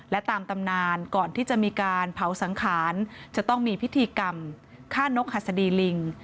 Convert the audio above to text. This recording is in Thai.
และตามตำนานก่อนที่จะมีการเผาสังขารจะต้องมีพิธีกรรมฆ่านกหัสดีลิง